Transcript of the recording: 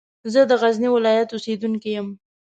زه د غزني ولایت اوسېدونکی یم.